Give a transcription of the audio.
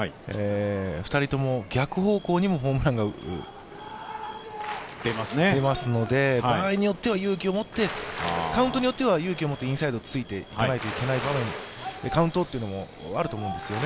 ２人とも逆方向にもホームランが打てますので場合によっては、カウントによっては勇気を持ってインサイド突いていかないといけない場面、カウントというのもあると思うんですよね。